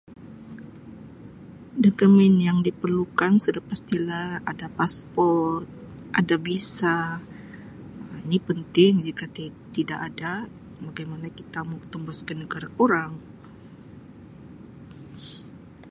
Dokemen yang diperlukan sudah pasti lah ada pasport, ada visa Um ini penting, jika ti-tidak ada bagaimana kita mau tembus ke negara orang.